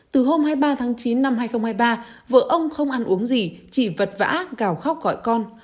từ hôm hai mươi ba tháng chín năm hai nghìn hai mươi ba vợ ông không ăn uống gì chỉ vật vã gào khóc gọi con